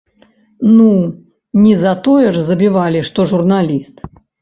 Ну, не за тое ж забівалі, што журналіст!